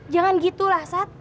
jangan gitu lah sat